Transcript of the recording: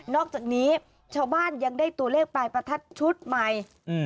อกจากนี้ชาวบ้านยังได้ตัวเลขปลายประทัดชุดใหม่